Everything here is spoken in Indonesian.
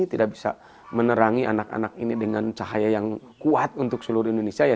tidak bisa menerangi anak anak ini dengan cahaya yang kuat untuk seluruh indonesia ya